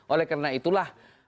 oleh karena itulah